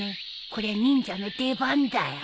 こりゃ忍者の出番だよ